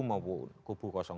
maupun kubu dua